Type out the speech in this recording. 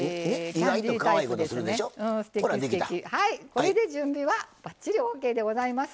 これで準備はばっちりオーケーでございます。